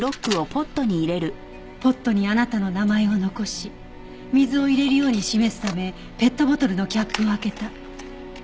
ポットにあなたの名前を残し水を入れるように示すためペットボトルのキャップを開けた。